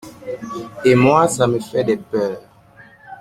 Et moi, ça me fait des peurs…